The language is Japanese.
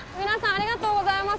ありがとうございます！